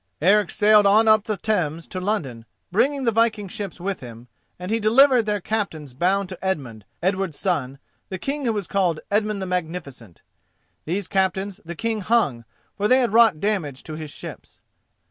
Eric sailed on up the Thames to London, bringing the viking ships with him, and he delivered their captains bound to Edmund, Edward's son, the king who was called Edmund the Magnificent. These captains the King hung, for they had wrought damage to his ships.